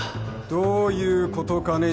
どういうことかね